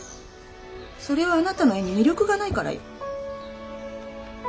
それはあなたの絵に魅力がないからよ。